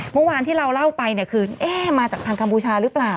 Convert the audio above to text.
เมื่อวานที่เราเล่าไปเนี่ยคือเอ๊ะมาจากทางกัมพูชาหรือเปล่า